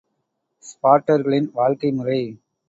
ஸ்பார்ட்டர்களின் வாழ்க்கை முறை.